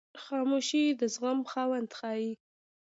خاموشي، د زغم خاوند ښیي.